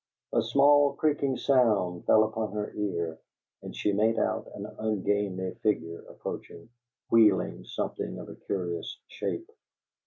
A small creaking sound fell upon her ear, and she made out an ungainly figure approaching, wheeling something of curious shape.